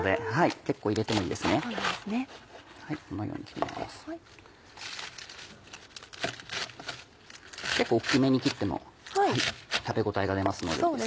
結構大きめに切っても食べ応えが出ますので。